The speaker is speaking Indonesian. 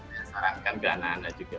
saya sarankan ke anak anak juga